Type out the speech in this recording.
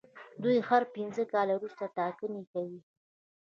دوی هر پنځه کاله وروسته ټاکنې کوي.